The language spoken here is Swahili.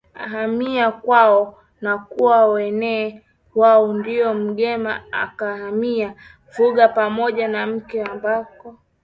ahamia kwao na kuwa Mwene waoNdipo Mbegha akahamia Vuga pamoja na mke ambapo